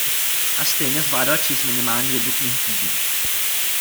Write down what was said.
A stejně zvládal číst minimálně jednu knihu týdně.